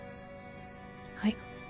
はい。